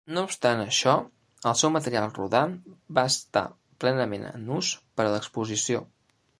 No obstant això, el seu material rodant va estar plenament en ús per a l'Exposició.